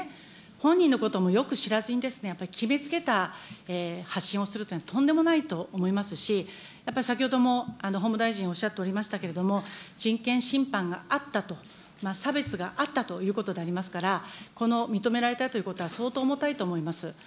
本人のこともよく知らずに、やっぱり決めつけた発信をするというのは、とんでもないと思いますし、やっぱり先ほども法務大臣、おっしゃっておりましたけれども、人権侵犯があったと、差別があったということでありますから、この認められたということは、相当重たいと思います。